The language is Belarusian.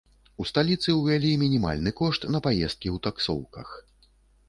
У сталіцы ўвялі мінімальны кошт на паездкі ў таксоўках.